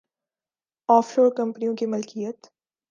of شور کمپنیوں کی ملکیت‘